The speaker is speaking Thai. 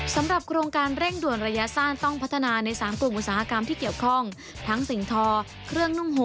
สำหรับโครงการเร่งด่วนระยะสั้นต้องพัฒนาใน๓กลุ่มอุตสาหกรรมที่เกี่ยวข้องทั้งสิ่งทอเครื่องนุ่มโห